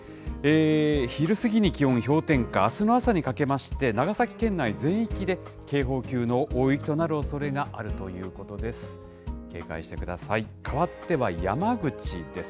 昼過ぎに気温氷点下、あすの朝にかけまして、長崎県内全域で警報級の大雪となるおそれがあるということです。